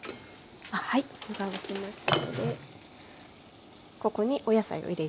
はいお湯が沸きましたのでここにお野菜を入れます。